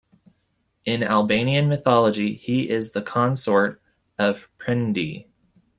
In Albanian mythology, he is the consort of Prende.